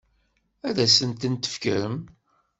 Ad asen-tent-tefkem?